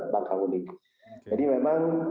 bangkang uni jadi memang